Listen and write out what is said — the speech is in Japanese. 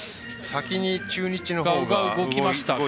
先に中日のほうが動いてきましたね。